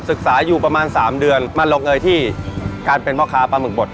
ศึกษาอยู่ประมาณ๓เดือนมาลงเอยที่การเป็นพ่อค้าปลาหมึกบด